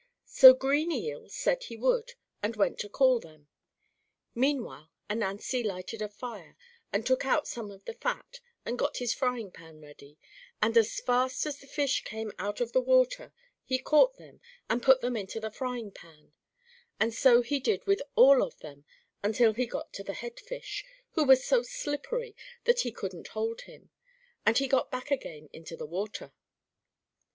So "Green Eel" said he would, and went to call them. Meanwhile Ananzi lighted a fire, and took out some of the fat, and got his frying pan ready, and as fast as the fish came out of the water he caught them and put them into the frying pan, and so he did with all of them until he got to the Head fish, who was so slippery that he couldn't hold him, and he got back again into the water.